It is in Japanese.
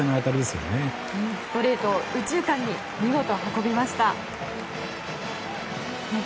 ストレートを右中間に見事運びました。